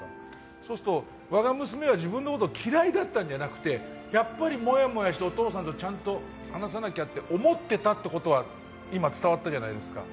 そうするとまな娘は自分のことを嫌いだったんじゃなくてやっぱりもやもやしてお父さんとちゃんと話さなきゃって思ってたってことは今、伝わったじゃないですか。